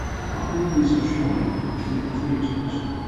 What movies are showing at Plitt Theatres.